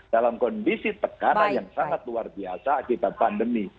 dalam kondisi tekanan yang sangat luar biasa akibat pandemi